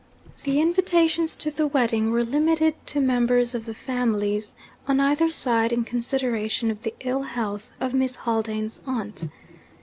'The invitations to the wedding were limited to members of the families on either side, in consideration of the ill health of Miss Haldane's aunt.